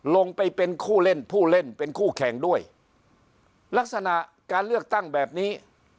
ลงไปเป็นผู้เล่นผู้เล่นเป็นคู่แข่งด้วยลักษณะการเลือกตั้งแบบนี้